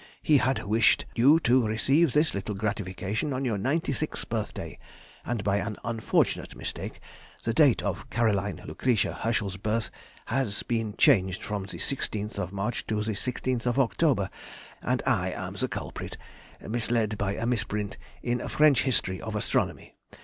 He had wished you to receive this little gratification on your ninety sixth birthday, and by an unfortunate mistake the date of Caroline Lucretia Herschel's birth has been changed from the 16th of March to the 16th of October, and I am the culprit, misled by a misprint in a French history of astronomy.